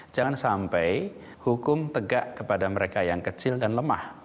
jangan sampai hukum tegak kepada mereka yang kecil dan lemah